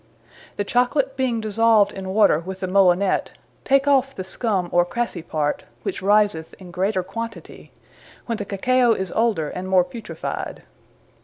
The Chocolate being dissolved in water with the Molinet, take off the scumme or crassy part, which riseth in greater quantity, when the Cacao is older, and more putrified.